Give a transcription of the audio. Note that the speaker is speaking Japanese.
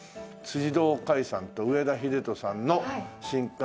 堂魁さんと上田秀人さんの新刊